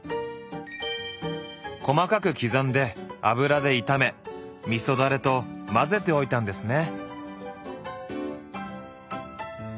細かく刻んで油で炒めみそダレと混ぜておいたんですね。